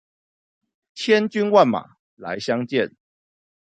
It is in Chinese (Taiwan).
千軍萬馬來相見